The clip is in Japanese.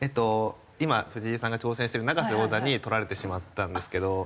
今藤井さんが挑戦している永瀬王座に取られてしまったんですけど。